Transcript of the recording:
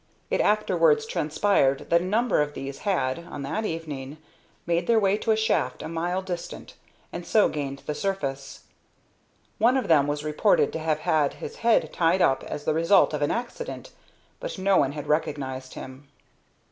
It afterwards transpired that a number of these had, on that evening, made their way to a shaft a mile distant, and so gained the surface. One of them was reported to have had his head tied up as the result of an accident, but no one had recognized him.